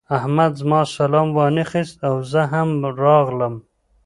احمد زما سلام وانخيست او زه هم راغلم.